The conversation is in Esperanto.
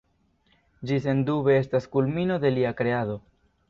Ĝi sendube estas kulmino de lia kreado.